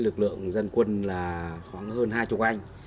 lực lượng dân quân là khoảng hơn hai mươi anh